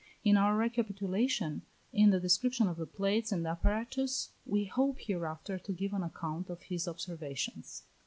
In our recapitulation, in the description of the plates and apparatus, we hope hereafter to give an account of his observations.